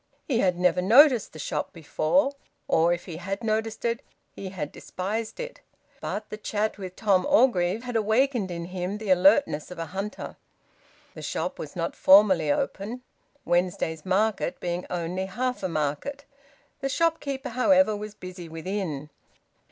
He had never noticed the shop before, or, if he had noticed it, he had despised it. But the chat with Tom Orgreave had awakened in him the alertness of a hunter. The shop was not formally open Wednesday's market being only half a market. The shopkeeper, however, was busy within.